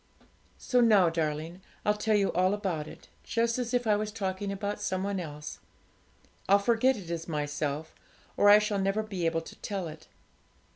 'So now, darling, I'll tell you all about it, just as if I was talking about some one else; I'll forget it is myself, or I shall never be able to tell it.